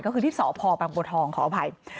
ก็คือที่สพบธขออภัย